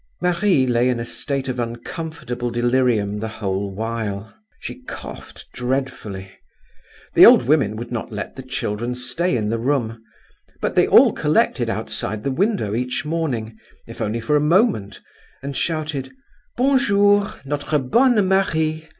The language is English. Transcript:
"Marie lay in a state of uncomfortable delirium the whole while; she coughed dreadfully. The old women would not let the children stay in the room; but they all collected outside the window each morning, if only for a moment, and shouted '_Bon jour, notre bonne Marie!